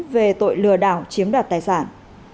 về tội lừa đảo chiếm đoạt tài sản